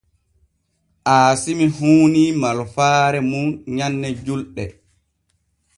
Aasimi huunii malfaare mum nyanne julɗe.